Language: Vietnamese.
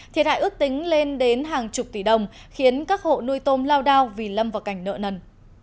thiệt hại ước tính lên đến hàng chục tỷ đồng khiến các hộ nuôi tôm lao đao vì lâm vào cảnh nợ nần